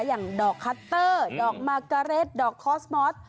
อย่างดอกคัตเตอร์ดอกมากาเร็ดดอกคอสมอส